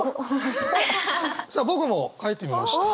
さあ僕も書いてみました。